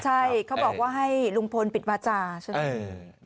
ใช่เขาบอกว่าให้ลุงพลปิดวาจาใช่ไหม